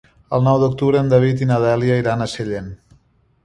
El nou d'octubre en David i na Dèlia iran a Sellent.